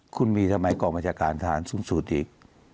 คุณมีสมัยกองมจักรทหารอีก